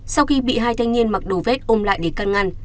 sau khi bị hai thanh niên mặc đồ vét ôm lại để căn ngăn